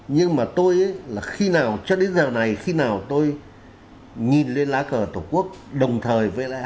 nhưng mà tôi là khi nào tôi nhìn lên lá cờ của tổ quốc nói đến biểu tượng của quốc gia mình thì không biết ai thế nào